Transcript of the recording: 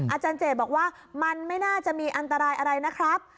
อาจารย์เจดบอกว่ามันไม่น่าจะมีอันตรายอะไรนะครับ